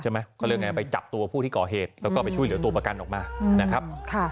เขาเรียกไงไปจับตัวผู้ที่ก่อเหตุแล้วก็ไปช่วยเหลือตัวประกันออกมานะครับ